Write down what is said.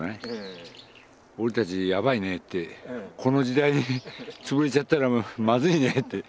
俺たちやばいねってこの時代に潰れちゃったらまずいねって。